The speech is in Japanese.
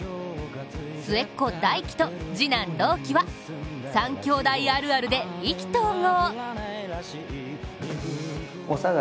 末っ子・大輝と次男・朗希は三兄弟あるあるで意気投合。